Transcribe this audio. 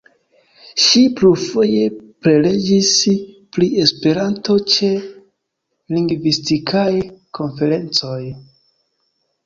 Ŝi plurfoje prelegis pri Esperanto ĉe lingvistikaj konferencoj.